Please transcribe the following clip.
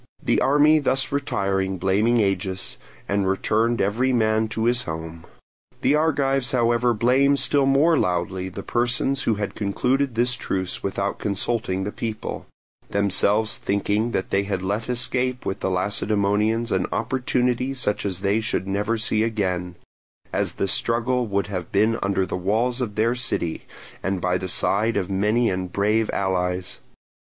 The army thus retired blaming Agis, and returned every man to his home. The Argives however blamed still more loudly the persons who had concluded the truce without consulting the people, themselves thinking that they had let escape with the Lacedaemonians an opportunity such as they should never see again; as the struggle would have been under the walls of their city, and by the side of many and brave allies.